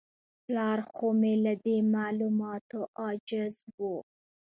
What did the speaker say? پلار خو مې له دې معلوماتو عاجز و.